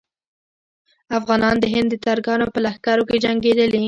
افغانان د هند د ترکانو په لښکرو کې جنګېدلي.